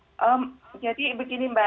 dan prosesnya akan berjalan dengan lambat